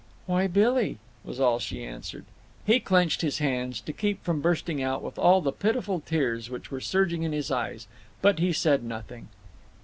"Why, Billy—" was all she answered. He clenched his hands to keep from bursting out with all the pitiful tears which were surging in his eyes. But he said nothing.